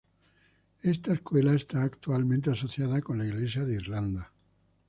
Esta escuela está actualmente asociada con la Iglesia de Irlanda.